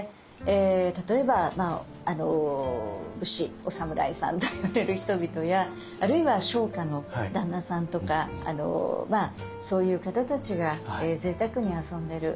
例えば武士お侍さんといわれる人々やあるいは商家の旦那さんとかそういう方たちがぜいたくに遊んでる。